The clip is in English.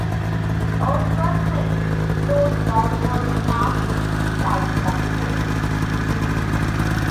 Oatka Creek flows northward past the east side of the village.